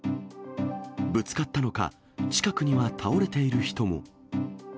ぶつかったのか、近くには倒れている人も。